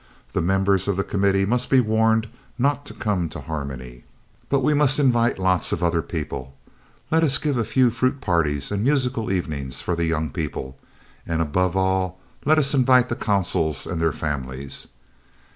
The members of the Committee must be warned not to come to Harmony, but we must invite lots of other people. Let us give a few fruit parties and musical evenings for the young people, and above all, let us invite the Consuls and their families."